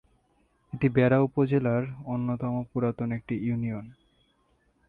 এটি বেড়া উপজেলার অন্যতম পুরাতন একটি ইউনিয়ন।